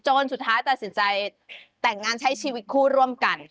สุดท้ายตัดสินใจแต่งงานใช้ชีวิตคู่ร่วมกัน